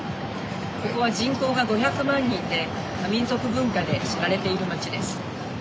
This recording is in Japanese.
ここは人口が５００万人で多民族文化で知られている街です。